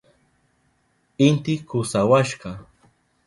Inti kusawashka.